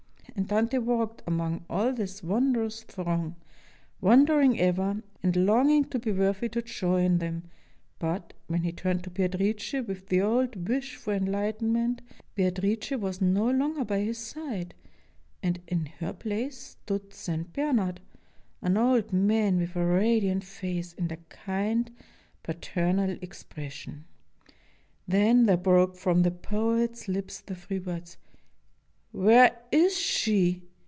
And Dante walked among all this wondrous throng, wondering ever, and longing to be worthy to join them; but, when he turned to Beatrice with the old wish for enh'ghtenment, Beatrice was no longer by his side, and in her place stood St. Bernard, an old man with a radiant face and a kind, paternal expression. Then there broke from the poet's lips the three words, "Where is she?"